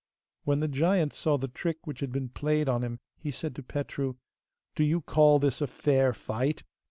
When the giant saw the trick which had been played on him he said to Petru. 'Do you call this a fair fight?